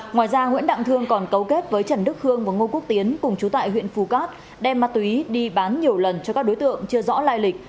ngoài ra nguyễn đặng thương còn cấu kết với trần đức khương và ngô quốc tiến cùng chú tại huyện phù cát đem ma túy đi bán nhiều lần cho các đối tượng chưa rõ lai lịch